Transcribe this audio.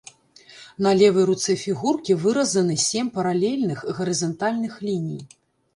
На левай руцэ фігуркі выразаны сем паралельных, гарызантальных ліній.